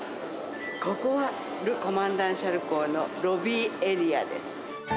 ここはル・コマンダン・シャルコーのロビーエリアです